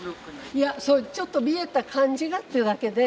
いやちょっと見えた感じがって言うだけで。